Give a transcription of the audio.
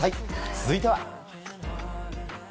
続いては。